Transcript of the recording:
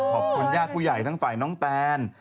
ขอบคุณญาติผู้ใหญ่ทั้งฝ่ายน้องแตน